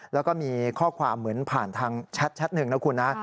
แล้วก็มีข้อความเหมือนผ่านทางแชทหนึ่งนะคุณนะ